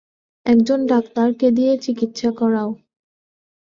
একজন ডাক্তারকে দিয়ে চিকিৎসা করাও।